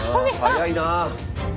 早いな。